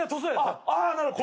あなるほど。